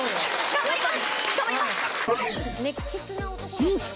頑張ります！